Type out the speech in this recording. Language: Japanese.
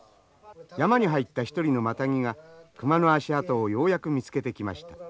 山に入った一人のマタギが熊の足跡をようやく見つけてきました。